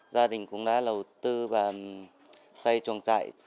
gia đình cũng đã đầu tư và xây chuồng trại